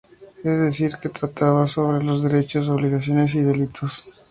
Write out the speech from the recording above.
Es decir, que trataba sobre los derechos, obligaciones y delitos.